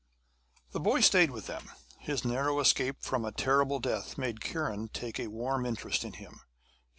The boy stayed with them. His narrow escape from a terrible death made Kiran take a warm interest in him.